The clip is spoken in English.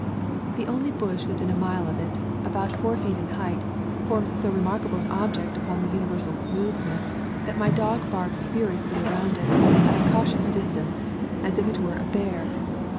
The only bush within a mile of it, about four feet in height, forms so remark able an object upon the universal smoothness that my dog barks furiously around it, at a cautious distance, as if it were a bear.